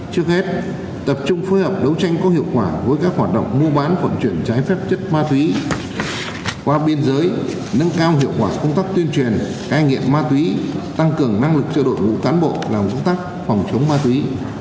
trước hết tập trung phối hợp đấu tranh có hiệu quả với các hoạt động mua bán vận chuyển trái phép chất ma túy qua biên giới nâng cao hiệu quả công tác tuyên truyền cai nghiện ma túy tăng cường năng lực cho đội ngũ cán bộ làm công tác phòng chống ma túy